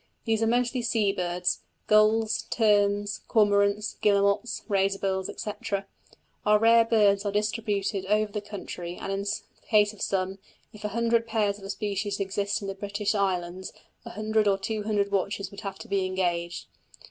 These are mostly sea birds gulls, terns, cormorants, guillemots, razor bills, etc. Our rare birds are distributed over the country, and in the case of some, if a hundred pairs of a species exist in the British Islands, a hundred or two hundred watchers would have to be engaged.